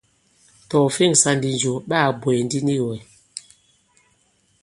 Tɔ̀ ɔ̀ fe᷇ŋsā ndi jo, ɓa kà bwɛ̀ɛ̀ ndi nik wɛ̀.